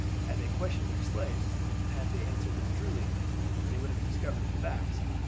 Had they questioned their slaves, and had these answered them truly, they would have discovered the facts.